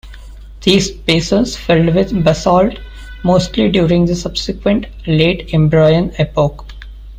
These basins filled with basalt mostly during the subsequent Late Imbrian epoch.